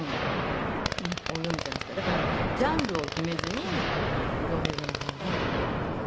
だからジャンルを決めずに色々な本を読む。